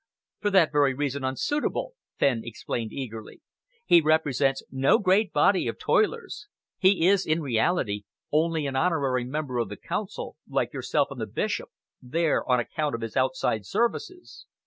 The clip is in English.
"For that very reason unsuitable," Fenn explained eagerly. "He represents no great body of toilers. He is, in reality, only an honorary member of the Council, like yourself and the Bishop, there on account of his outside services."